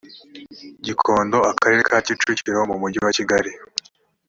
gikondo akarere ka kicukiro mu mujyi wa kigali